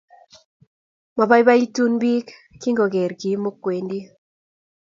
Mabaibaitun biik kingogeer Kim kowendi